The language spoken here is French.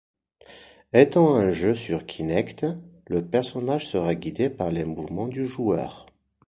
Etant un jeu sur Kinect, le personnage sera guidé par les mouvements du joueur.